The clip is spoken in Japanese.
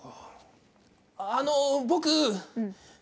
あの僕。